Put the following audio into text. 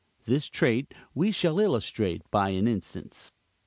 This trait we shall illustrate by an instance.